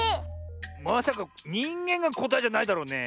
まさか「にんげん」がこたえじゃないだろうね。